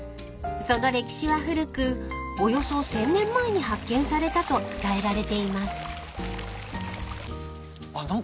［その歴史は古くおよそ１，０００年前に発見されたと伝えられています］